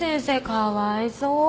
かわいそう。